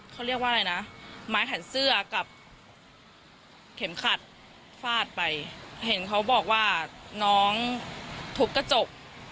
เขาเรียกว่าอะไรนะไม้แขนเสื้อกับเข็มขัดฟาดไปเห็นเขาบอกว่าน้องทุบกระจก